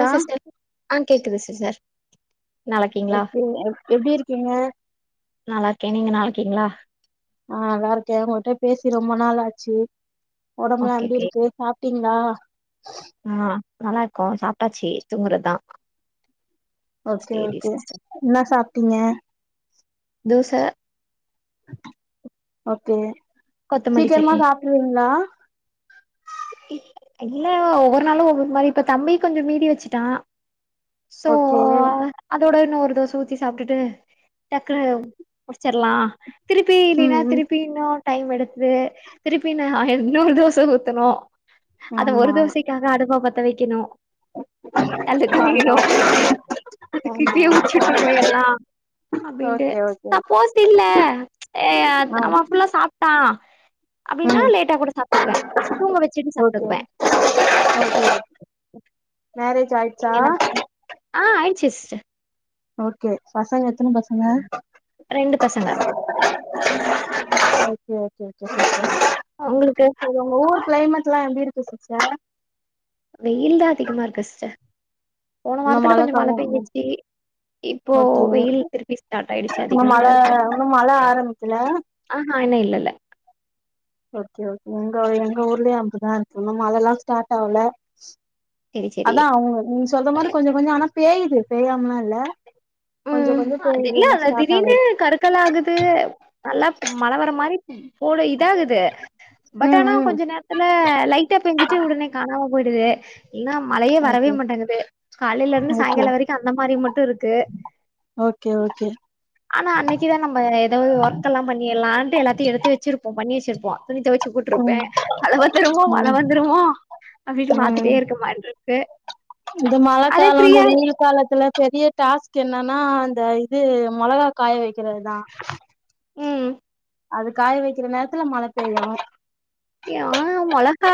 ஆ sister ஆ கேக்குது sister நல்ல இக்கீங்களா ஓகே எப்டி இருக்கீங்க நல்லாக்கேன் நீங்க நல்ல இக்கீங்களா ஆ நல்லா இருக்கேன் உங்க கிட்ட பேசி ரொம்ப நாள் ஆச்சு உடம்பல ஓகே எப்டி ஓகே இருக்கு சாப்டீங்களா ஆ நல்லா இருக்கோம் சாப்பிட்டாச்சு தூங்கறதுதான் ஓகே ஓகே என்ன சாப்ட்டீங்க தோச ஓகே கொத்தமல்லி சீக்கிரமா சட்னி சாப்ட்ருவீங்களா இல்ல ஒவ்வொரு நாளும் ஒவ்வொரு மாறி இப்ப தம்பி கொஞ்சம் மீதி வெச்சுட்டான் சோ ஓகே அதோட இன்னும் ஒரு தோச ஊத்தி சாப்ட்டுட்டு டக்குனு முடிச்சிறலாம் திருப்பி நின்னா ம் ம் திருப்பி இன்னொ டைம் எடுக்குது திருப்பி நா இன்னொரு தோச ஊத்தனு அந்த ஒரு ஆமா தோசைக் க்காக அடுப்ப பத்த வைக்கணும் ஆமா அதுக்கு ஆமா இப்பயே முடிச்சுட்டு போயிடலாம் அப்டின்ட்டு ஓகே ஓகே ஓகே சப்போஸ் இல்ல ஏ ஆ அவ ஃபுல்லா சாப் ட்டா அப்டினா ம் லேட்டா கூட சாப்டுக்வே தூங்க வச்சுட்டு ஓகே சாப்ட்டுக்வே ஓகே மேரேஜ் நீங்க ஆயிர்ச்சா என்ன பண்றீங்க ஆ ஆய்ருச்சு சிஸ்டர் ஓகே பசங்க எத்தன பசங்க ரெண்டு பசங்க ஓகே ஓகே ஓகே சிஸ்டர் அவுங்களுக்கு உங்க ஊரு கிளைமேட் டெல்லா எப்டி இருக்கு சிஸ்டர் வெயில்தா அதிகமாருக்கு சிஸ்டர் போன இன்னு வாரத்துல மழ கொஞ்சமழ காலோ பெய்ஞ்சுச்சு இப்போ ஓகே வெயில் திருப்பி ஸ்டாட் ஆயிடுச்சு இன்னு மழ அதிகமாதாருக்கு இன்னு மழ ஆரம்பிக்கல ஆஹா இன்னு இல்லல்ல ஓகே ஓகே இங்க எங்க ஊர்லயு அப்டிதார்க்கு இன்னு மழெல்லா ஸ்டாட் ஆவ்ல செரி செரி அதா அவுங்க நீங்க சொல்ற மாரி கொஞ்சொ கொஞ்சொ ஆனா பேயுது பேயாம் லா இல்ல கொஞ்ச உம் கொஞ்ச அது பேயுது இன்னு இல்ல ஸ்டார்ட் திடீர்னு ஆகல கருக்கலாகுது நல்லா மழவர மாரி போலஇதாகுது பட் ம் ஆனா ம் கொஞ்ச நேரத்துல லைட்டா பெஞ்சிட்டு உடனே காணாம போய்டுது இனா மழயே வரவே ஓகே மாட்டேங்குது காலேலருந்து ஓகே சாயங்கால வரைக்கு அந்த மாரி மட்டுருக்கு ஓகே ஆனா அன்னைக்கிதா நம்ம ஏதாவது ஒர்க் எல்லா பண்ணிற்லான்ட்டு எல்லாத்தையு எடுத்து வச்சிருப்போ பண்ணி வச்சிருப் துணித் தொவச்சு போட்ருப்பே ம் மழவந்துருமோ மழ ம் வந்துருமோ அப்டினு பாத்துட்டே இருக்க மார்ருக்கு இது மழக்காலொங்குறீங்க காலத்துல பெரிய டாஸ்க் என்னானா அந்த இது மொளகா காய வெக்கறது தா ம் அது காய வெக்கிற நேரத்துல மழ பெய்யு ஏ மொளகா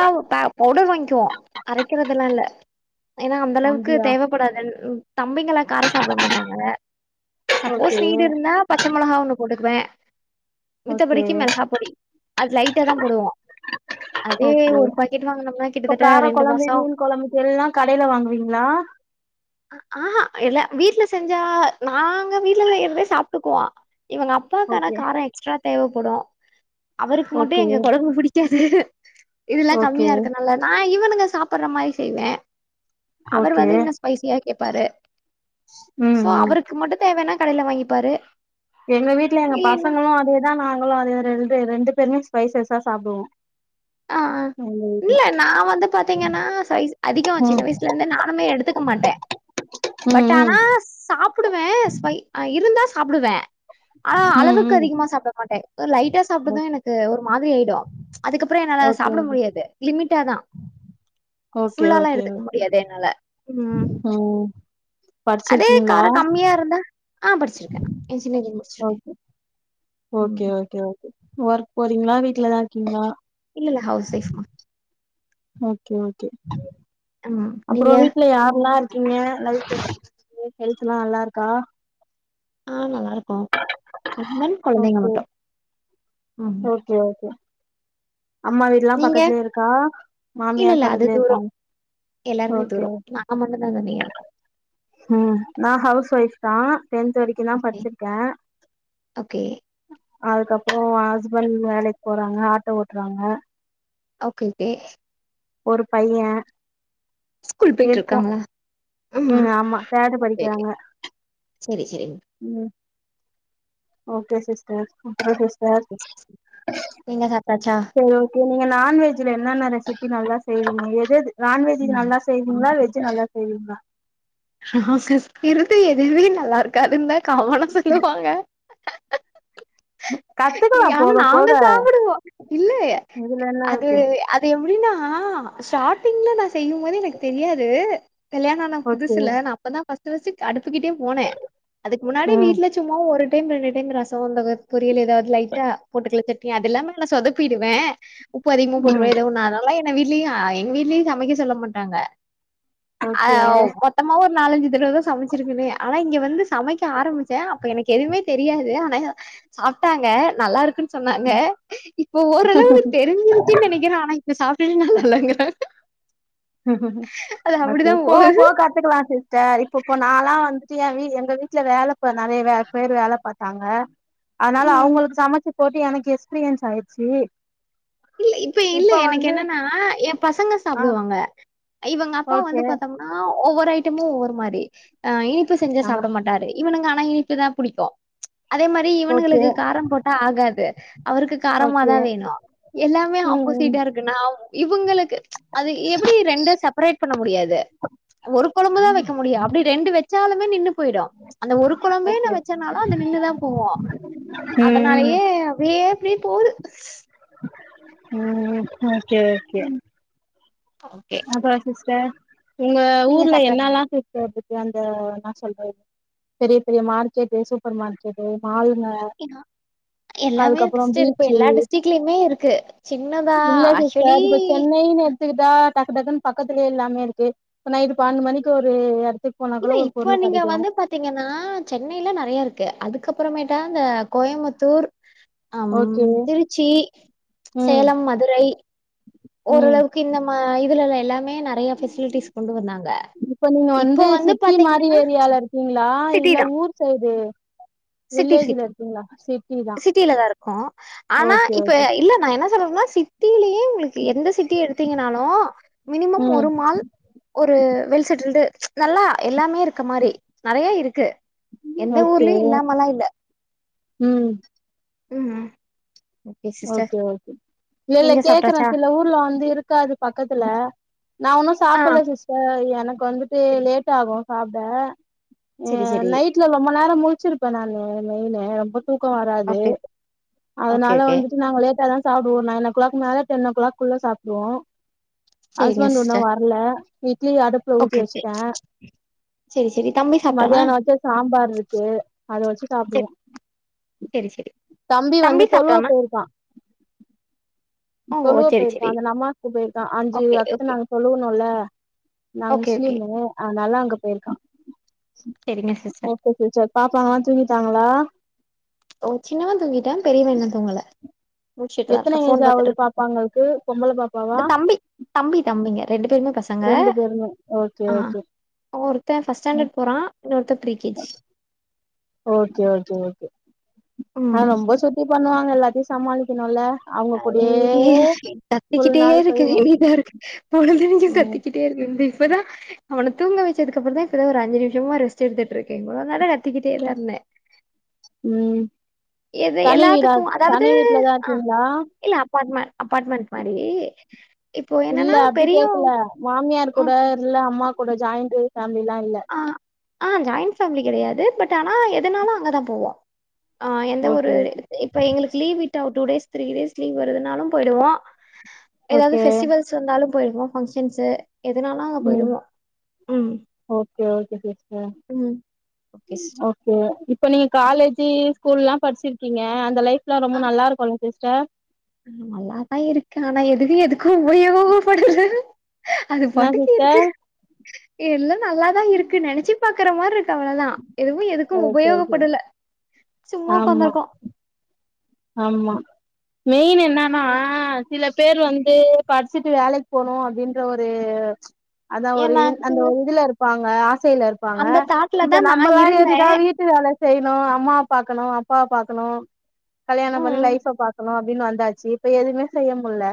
பவுடர் வாங்க்வோ அரக்கிரதல்லா இல்ல ஏனா அந்தளவுக்கு அப்டியா தேவப்படாது தம்பிங்கலா காரொ சாப்ட மாட்டாங்க ஓகே சப்போஸ் நீடிருந்தா பச்ச மொளகா ஒண்ணு போட்டுக்குவே ஓகே மித்தப்படிக்கு மிளகா பொடி அது லைட்டா தா போடுவோ அதே ஓகே ஒரு பாக்கெட் வாங்குனம்னா இப்ப கிட்டதட்ட கார ரெண்டு கொழம்பு மாசொ மீன் கொழம்புக்கு எல்லா கடையில வாங்குவீங்களா ஆஹ இல்ல வீட்ல செஞ்சா நாங்க வீட்ல செய்றதே சாப்ட்டுக்குவோ இவங்க ப் அப்பாக்கானா ஓகே கா ரொ எக்ஸ்ட்ரா தேவப்படு அவருக்கு மட்டு ஓகே எங்க கொழம்பு புடிக்காது இதெலா ஓகே கம்மியா இருக்கனால நா இவனுங்க சாப்புற மாரி செய்வே அவர் ஓகே வந்து இன்ன ஸ்பைசியா கேப்பாரு ம் சோ ம் அவருக்கு மட்டு தேவனா கடைல வாங்கிப்பாரு எங்க வீட்ல எங்க இல்லைன்னா பசங்களு அதே அதா நாங்களு அதுலருந்து ரெண்டு பேருமே ஸ்பைசஸா சாப்டுவோ ஆ ஆ வீட்ல இல்ல நா வந்து பாத்தீங்கன்னா ஸ்பைஸ் அதிகொ ம் சின்ன வயசுலந்தே நானுமே எடுத்துக்க மாட்டே பட் ம் ஆனா சாப்புடுவே ஸ்பை இருந்தா சாப்புடுவே ஆனா ம் ம் அளவுக்கதிகமா சாப்ட மாட்டே ஒரு லைட்டா ம் சாப்ட்டது எனக்கு ஒரு மாதிரி ஆயிடு அப்றொ என்னால ஓகே சாப்ட முடியாது லிமிட்டாதா ஓகே ஓகே ஃபுல்லாலா ஓகே ஓகே எடுத்துக்க ஓகே முடியாது என்னால உம் ம் அதே படிச்சிருக்கீங்களா காரொ கம்மியாருந்தா ஆ படிச்சிருக்கே இன்ஜினியரிங் முடிச்சிருக்கே ஓகே உம் ஓகே ஓகே ஓகே ஒர்க் போறீங்ளா வீட்லதார்க்கீங்ளா இல்ல ல்ல ஹவுஸ் வைஃப் மா ஓகே ஓகே ம் அப்றொ நீங்க வீட்ல யாரெல்லா நீங்க ஹெல்த்து உங்க ஹெல்த்து எல்லா நல்லா இருக்கா ஆ நல்லா இருக்கோ ஹஸ்பண்ட் கொழந்தைங்க மட்டு ம் சேர் ஓகே அம்மா வீடுல்லா நீங்க பக்கத்துலயே இருக்கா இல்ல மாமியார் இல்ல அது பக்கத்துலயே தூரோ இருக்காங்க எல்லாருமே ஓகே தூரோ நா நா மட்டுந்தா தனியா இருக்கோ ம் நா ஹவுஸ் ஒயஃப் தா டென்த் வரைக்கு தா ஓகே படிச்சிருக்க ஓகே அதுக்கப்புறோ ஹஸ்பண்ட் வேலைக்கு போறாங்க ஆட்டோ ஓட்டுறாங்க ஓகே ஓகே ஒரு பைய ஸ்கூல் போயிட்டு இருக்கோ இருக்காங்ளா ம் ஆமா தேர்டு படிக்கிறாங்க செரி செரி ம் ஓகே சிஸ்டர் அப்புறோ சிஸ்டர் ஓகே நீங்க சாப்ட்டாச்சா நீங்க நான்வெஜ்ல என்னென்ன ரெசிபி நல்லா செய்வீங்க எது எது நான்வெஜ்ஜு ம். நல்லா ஆ செய்வீங்களா வெஜ்ஜு நல்லா செய்வீங்களா ஆ சிஸ் இருக்க எதுமே நல்லா இருக்காதுந்தா காமனா சொல்லுவாங்க கத்துக்கலா ஆனா போக நாங்க போக சாப்பிடுவோ இல்லே இதுல என்ன அது இருக்கு அ து எப்டினா ஸ்டாட்டிங்ல நா செய்யும்போது எனக்கு தெரியாது கல்யாண ஓகே புதுசுல்ல நா அப்பதா ஃபர்ஸ்ட்டு ஃபர்ஸ்ட்டு க அடுப்புகிட்டே போனே அதுக்கு முன்னாடி ம் வீட்ல சும்மா ஒரு டைம் ரெண்டு டைம் ரசோ அந்த பொரியல் எதாவது லைட்டா பொட்டுக்கல சட் ணி அது எல்லாம நா சொதப்பிடுவே உப்பு அதிகமா ம் போட்ருவே ஏதோ ஒண்ணு அதனால என்ன வீட்லயு அ எங் வீட்லயு சமைக்க சொல்ல மாட்டாங்க ஆவ் ஓகே மொத்தமா ஒரு நாலஞ்சு தடவ தா சமைச்சிருக்கனே ஆனா இங்க வந்து சமைக்க ஆரம்பிச்சே அப்ப எனக் எதுவுமே தெரியாது ஆனா சாப்ட்டாங்க நல்லா இருக்குன் சொன்னாங்க இப்ப ஓரளவுக்கு தெரிஞ்சிருச்சுன்னு நனைக்கிற ஆனா இப்ப சாப்ட்டுட்டு நல்லா இல்லங்குறாங்க எனக்கு அப்டிதா போவா போகுது போவா கத்துக்கலா சிஸ் ஸ்டர் இப்ப இப்ப நாலா வந்துட்டு எ வீ எங்க வீட்ல வேல ப நறைய வே பேர் வேல பாத்தாங்க அதனால ம் அவுங்களுக்கு சமைச்சு போட்டு எனக்கு எக்ஸ்பீரியன்ஸ் ஆயிடுச்சு இல்ல இப்ப இல்ல எனக்கு என்னன்னா எ பசங்க ஆ சாப்டுவாங்க இவங்க அப்பா வந்து ஓகே பாத்த ஆ ஒவ்வொரு ஐட்டமு ஒவ்வொரு மாரி ஆ இனிப்பு செஞ்சா ஆ சாப்ட மாட் டாரு இவனுங்க ஆனா இனிக்கு தா புடிக்கு அதே மாரி ஓகே இவனுகளுக்கு காரம் போட்டா ஆகாது அவருக்கு ஓகே காரமாதா வேணு ம் எல்லாமே ம் ஆப்போசிட்டா இருக் குனா இவுங்களுக்கு அது எப்படி ரெண்டு செப்பரேட் பண்ண முடியாது ஒரு கொழம்புதா வைக்க முடியு அப்டி ரெண்டு வச்சாலுமே நின்னு போயிடு அந்த ஒரு கொழம்பே நா ஓகே வச்சனாலு அது நின்னுதா போவு ம் அதனாலயே அப்டே அப்டியே போது [inaudible] ம் ஓகே ஓகே ம் ஓகே அப்புறோ சிஸ்டர் உங்க நீங்க ஊர்ல என்னல்லா கேட்டுட்டு அந்த என்னா சொல்றது பெரிய பெரிய மார்க்கெட்டு சூப்பர் மார்க்கெட்டு மாலுங்க எனா எல்லாமே இருக்கு அதுக்கப்றோ ஸ்ட்டு இருக்கு பீச் எல்லா டிஸ்டரிக்லியுமே இருக்கு சின்னதா ஆக்சுவலி எத்துக்கிட்டா டக்கு டக்குன்னு பக்கத்துலேயே எல்லாமே இருக்கு நைட்டு பன்னெண்டு மணிக்கு ஒரு எடத்து போனா கூடு ஒரு பொருள் கடைக்கு பத்தீங்கன்னா சென்னையில நறைய இருக்கு அதுக்கப்புறமேட்டா அந்த கோயம்புத்தூர் ஆம் ஓகே திருச்சி ம் சேலம் மதுரை ம் ஓரளவுக்கு இந்த மா இதுல எல்லாமே நறைய ஃபெசிலிட்டிஸ் கொண்டு வந்தாங்க இப்ப நீங்க இப்போ வந்து சிட்டி மாரி பாத்தீங்கன்னா ஏரியால இருக்கீங்களா சிட்டி இல்ல தா ஊர் சைடு சிட்டி சிட்டி கீங்ளா சிட் சிட்டியிலதா இருக்கோ ஆனா இப்ப ஓகே இல்ல நா என்ன சொல்றேன்னா சிட்டியிலயே உங்களுக்கு எந்த சிட்டி எடுத்தீங்கன்னாலு மினிமம் ம் ஒரு மாள் ஒரு வெல்சட்டில்டு நல்லா எல்லாமே இருக்க மாரி நறைய இருக்கு எந்த ஓகே ஊர்லயு இல்லாமலா இல்ல ம் ம் சிஸ்டர் ஓகே ஓகே இல்ல இல்ல நீங்க கேக்குறே சாப்ட்டாச்சா சில ஊர்ல வந்து இரு க்காது பக்கத்துல நா இன்னு ஆ சாப்பிட்ல சிஸ்டர் எனக்கு வந்துட்டு செரி லேட் ஆகு சாப்ட செரி செரி வீட்ல ரொம்ப நேர முழிச்சிருப்பே நானு மெயினு ரொம்ப தூக்க வராது ஓகே ஓகே அதனால ஓகே வந்துட் டு நாங்க லேட்டா தா சாப்டுவோ நைன் ஓ க்ளாக் மேல டென் ஓ கிளாக்குள்ள சாப் டுவோ செரிங்க ஹஸ்பண்ட் இன்னு சிஸ்டர் வர்ல இட்லி அடு ப்புல ஊத்தி ஓகே ஓகே வெச்சுட்டே செரி செரி தம்பி சாப்ட்டானா மத்தியானம் வெச்ச சாம்பார் இருக்கு அத வெச்சு செரி சாப்பிடுவோ செரி செரி தம்பி வந்து தொழுவ போயிருக்கான் ஓ தொழுவ செரி போயிருக்கான் செரி அந்த நமாஸ்க்கு போயிருக்கா அஞ்சு ஓகே அத்த ஓகே நாங்க தொழுவனுல்ல நான் ஓகே ஓகே முஸ்லிம் அதனால அங்க போயிருக்கா செரிங்க சிஸ்டர் ஓகே [unintelligible] பாப்பாங்களா தூங்கிட்டாங்களா ஒ சின்னவன் தூங்கிட்டான் பெரியவன் இன்னு தூங்கல முழிச்சுட்டுதா எத்தன இருக்கா ஏஜ் ஃபோன் பாத்துட்டு ஆவுது இருக் பாப்பாங்களுக்கு பொம்பள பாப்பாவா தம்பி தம்பி தம்பிங்க ரெண்டு பேருமே பசங்க ரெண்டு பேருமே ஓகே ஓகே ஒருத்தன் ஃபஸ்ட் ஸ்டாண்டர்ட் போறான் இன்னொருத்தன் pre KG okay okay okay ஆனா ம் ரொம்ப சுத்தி பண்ணுவாங்க எல்லாத்தையும் சமாளிக்கணும்ல அவங்க அத கூடயே விடுங்க ஃபுல் கத்திக்கிட்டே நாள் இருக்குது போயிரு [unintelligible] இருக்கு பொழுது விடிஞ்சு ம் கத்திக் பேருக்கு வந்து இப்பதா அவனை தூங்க வச்சதுக்கப்புற தா இப்பதான் ஒரு அஞ்சு நிமிஷமா ரெஸ்ட் எடுத்துட்டு இருக்கே இவ்ளோ நேரோ கத்திக்கிட்டேல்ல இருந்தே ம் எது தனி வீடா எல்லாத்துக்கு தனி அதாவது வீட்லதா இருக்கீங்களா இல்ல அப்பார்ட்மெ அபார்ட்மெண்டட் மாரி இப்போ இல்ல என்னன்னா அப்டி பெரிய கேக்கல மாமியார் கூட இல்ல அம்மா கூட ஜாயிண்ட் ஃபேமிலில்லா இல்ல ஆ ஆ ஜாயிண்ட் ஃபேமிலி கிடையாது பட் ஆனா எதுனாலு அங்கதா போவோ ஆ எந்த ஒரு ஓகே ஓகே இப்ப எங்களுக்கு லீவ் விட்டா ஒ two days three days leave வருதுனாலும் போயிடுவோ எதாவது ஓகே ஃபெஸ்டிவல்ஸ் ஸ் வந்தாலும் போயிடுவோ ஃபங்க்ஷன்ஸ எதனாலு அங்க ம் போயிடுவோ ஓகே ஓகே சிஸ்டர் ம் ஓகே சிஸ்டர் ஓகே இப்ப நீங்க காலேஜ் ஸ்கூல்லா படிச்சிருக்கீங்க அந்த லைஃப் எல்லா ரொம்ப நல்லா இருக்குல்ல சிஸ் ஸ்டர் நல்லாதா இருக்கு ஆனா எதுகு எதுக்கு உபயோகப்படுது அது என்ன பாட்டுக்கு இருக்கு சிஸ்டர் எல்லா நல்லாதா இருக்கு நினைச்சி பாக்குற மாரி இருக்கு அவ்வதா எதுவு எதுக்கு ஓகே ஓகே உபயோகப்படல சும்மா ஆமா உக்கந்தருக்கோ ஆமா மெயின் என்னன்னா சில பேர் வந்து படிச்சுட்டு வேலைக் போனு அப்டின்ற ஒரு [inaudible] அதா ஒரு இ ஏன்னா அந்த ஒரு இதுல இருப்பாங்க ஆசையில இருப்பாங்க அந்த தாட்ல இப்ப தான் நான் நம்மலா இருந்தேன். எதுதா வீ ட்டு வேல செய்யணு அம்மாவ் பாக்கணு அப்பாவ் பாக்கணு கல்யாணம் பண்ணி ம். லைஃப பாக்கணு அப்டின் வந்தாச்சு இப்ப எதுவுமே செய்ய முல்ல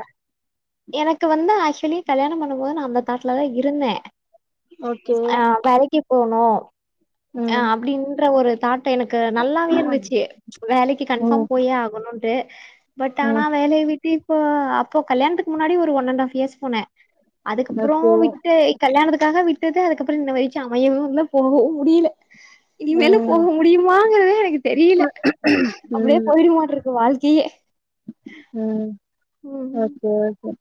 எனக்கு வந்து ஆக்சுலி கல்யாணம் பண்ணும் போ நா அந்த தாட்ல தா இருந்தே ஓகே அ வேலைக்கி போனு அ ம் அப்டின்ற ஒரு தாட் டு எனக்கு நல்லாவே இருந்துச்சு வேலைக்கு கன்ஃபார்ம் ம் போயே ஆகணுன்டு பட் ஆனா ம் வேலைய விட்டு இப்போ அப்போ கல்யாண்த்துக் முன்னாடி ஒரு ஒன் அண்ட் ஹாப் இயர்ஸ் போனே அதுக்கப்புறோ ஓகே விட்டு கல்யாணத்துக்காக விட்டது அதுக்கப்புறம் இன்ன வரைக்கு அமையவு இல்ல போகவு முடில்ல இனிமேலு போக ம் முடியுமாங்கறது எனக்கு தெரியில்ல அப்படியே ம் போயிடுமாட்ருக்கு வாழ்க்கையே ம் ம். ஓகே ஓகே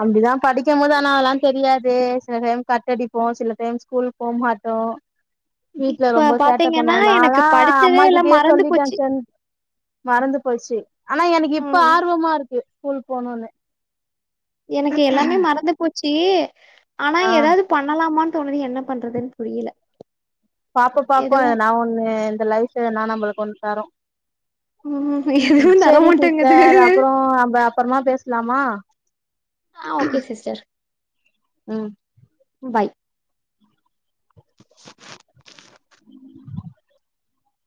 அப்படிதா படிக்கும் போது ஆனா அதெல்லா தெரியாது சில டைம் கட்டடிப்போ சில டைம் ஸ்கூல் போமாட்டோ வீட்டு்ல இப்ப ரொம்ப சேட்ட பண்ணுவோ பாத்தீங்கன்னா, எனக்கு நால்லா படிச்சதே அம்மா எல்லாம் கிட்டயே மறந்து சொல்லிட்டே போச்சு. ஃப்ரண்ட் மறந்து போச்சு ஆனா எனக்கு இப்ப ம். ஆர்வமா இருக்கு ஸ்கூல் போணுன்னு எனக்கு எல்லாமே மறந்து போச்சு ஆனா ஆ எதாவது பண்ணலாமான் தோணுது என்ன பண்றதுன் புரியல பாப்போ பாப்போ எதுவும் நா ஒண்ணு இந்த லைஃப்ஃபு என்ன நம்மளுக்க ஒன் தரு ம் எதுவும் சேரி தரமாட்டேங்குது. சிஸ்டர் அப்புறோ அத அப்பறமா பேசலாமா ஆ ஓகே சிஸ்டர் ம் பாய்